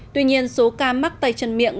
tuy nhiên số ca mắc tay chân miệng